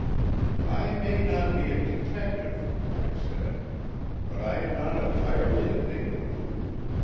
"I may not be a detective," I said, "but I am not entirely a nincompoop.